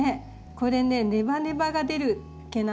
これねネバネバが出る毛なの。